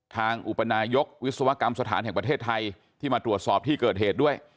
อุปนายกวิศวกรรมสถานแห่งประเทศไทยที่มาตรวจสอบที่เกิดเหตุด้วย